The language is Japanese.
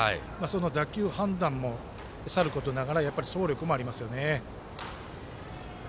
打球判断もさることながら走力もありますよね。